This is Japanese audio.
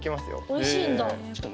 おいしいんだ？